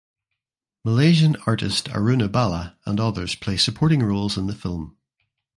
Malaysian artist Aruna Bala and others play supporting roles in the film.